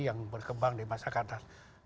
yang berkembang di masa kanan